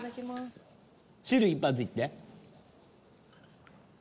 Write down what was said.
汁一発いって。